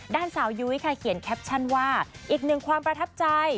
ด้านสาวยุ้ยค่ะเขียนแคปชั่นว่าอีกหนึ่งความประทับใจ